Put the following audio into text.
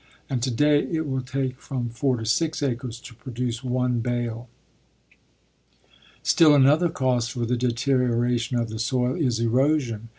And today it will take from four to six acres to produce one bale. Still another cause for the deterioration of the soil is erosion.